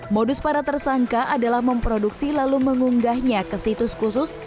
modus para tersangka adalah memproduksi lalu mengunggahnya ke situs khusus